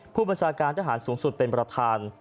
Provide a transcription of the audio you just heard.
ผู้บัญชาการทหารสูงสุดเป็นประธาน